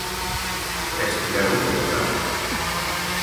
Estiveron gobernando.